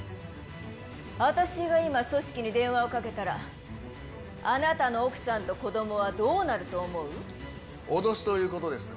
私が今組織に電話をかけたら、あなたの奥さんと子どもはどうな脅しということですか？